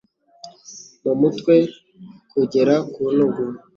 mu mutwe kugera ku ntugu,